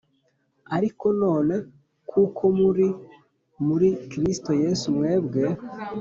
Ariko none kuko muri muri Kristo Yesu mwebwe